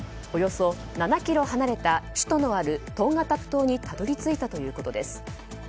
およそ７ｋｍ離れた首都のあるトンガタプ島にたどり着いたということです。